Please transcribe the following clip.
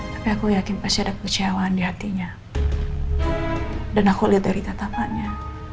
tapi aku yakin pasti ada kecewaan di hatinya dan aku lihat dari tatapannya